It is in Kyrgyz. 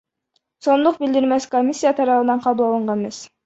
сомдук билдирмеси комиссия тарабынан кабыл алынган эмес.